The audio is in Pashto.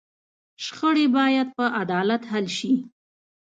شخړې باید په عدالت حل شي.